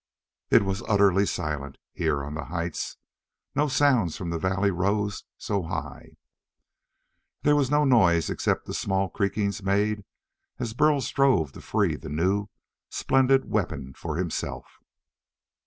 It was utterly silent, here on the heights. No sounds from the valley rose so high. There was no noise except the small creakings made as Burl strove to free the new, splendid weapon for himself.